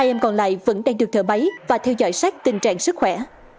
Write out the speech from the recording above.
hai em còn lại vẫn đang được thở máy và theo dõi sát tình trạng sức khỏe